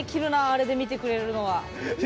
あれで見てくれるのは。